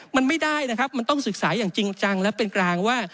มันไม่ได้นะครับมันต้องศึกษาอย่างจริงจังและเป็นกลางว่า